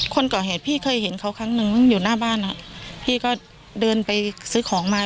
คนก่อเหตุพี่เคยเห็นเขาครั้งนึงอยู่หน้าบ้านอ่ะพี่ก็เดินไปซื้อของมา